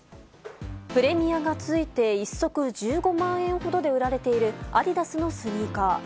プレミアがついて１足１５万円ほどで売られているアディダスのスニーカー。